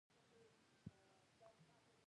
آیا موږ د عزت حق نلرو؟